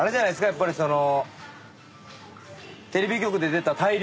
やっぱりその。